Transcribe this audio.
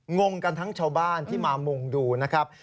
งงกันทั้งชาวบ้านที่มามุงดูนะครับ